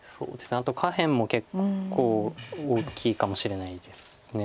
あと下辺も結構大きいかもしれないです。